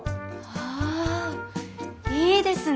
あいいですね！